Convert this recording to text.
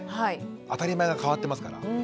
当たり前が変わってますから。